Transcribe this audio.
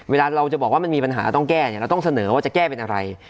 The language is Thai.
เวลาเราจะบอกว่ามันมีปัญหาต้องแก้เนี่ยเราต้องเสนอว่าจะแก้เป็นอะไร